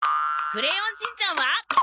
『クレヨンしんちゃん』は。